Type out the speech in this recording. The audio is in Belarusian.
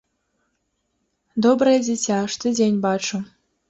Добрае дзіця, штодзень бачу.